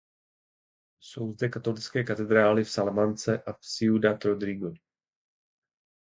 Jsou zde katolické katedrály v Salamance a v Ciudad Rodrigo.